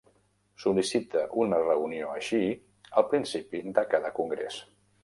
Sol·licita una reunió així al principi de cada Congrés.